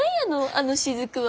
あの滴は。